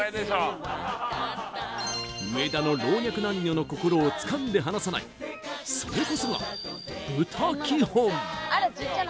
上田の老若男女の心をつかんで離さないそれこそが豚基本！